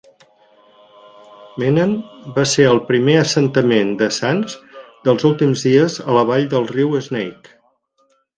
Menan va ser el primer assentament de sants dels últims dies a la vall del riu Snake.